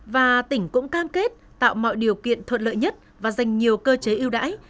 và tỉnh cũng cam kết tạo mọi điều kiện thuận lợi nhất và dành nhiều cơ chế ưu đãi